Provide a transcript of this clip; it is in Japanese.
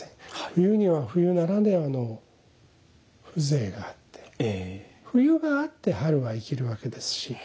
冬には冬ならではの風情があって冬があって春が生きるわけですし。